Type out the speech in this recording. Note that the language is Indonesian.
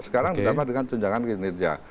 sekarang ditambah dengan tunjangan kinerja